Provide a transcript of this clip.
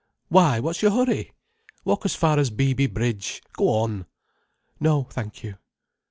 "Why, what's your hurry! Walk as far as Beeby Bridge. Go on." "No, thank you."